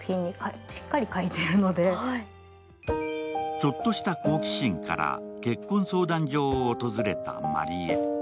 ちょっとした好奇心から結婚相談所を訪れたまりえ。